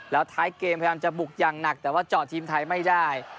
แล้วท้ายเกมพยายามจะบุกอย่างหนักแต่ว่าเจาะทีมไทยไม่ได้